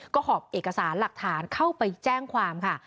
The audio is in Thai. ก็หอบเอกสารหลักฐานเข้าไปแจ้งความค่ะ